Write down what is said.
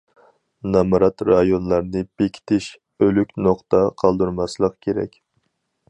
نامرات رايونلارنى بېكىتىش،‹‹ ئۆلۈك نۇقتا›› قالدۇرماسلىق كېرەك.